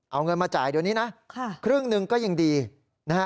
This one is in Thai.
เอาเงินมาจ่ายเดี๋ยวนี้นะครึ่งหนึ่งก็ยังดีนะฮะ